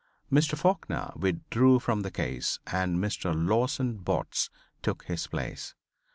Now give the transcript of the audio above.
Mr. Faulkner withdrew from the case and Mr. Lawson Botts took his place.